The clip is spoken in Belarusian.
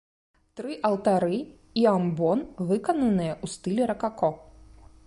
Тры алтары і амбон выкананыя ў стылі ракако.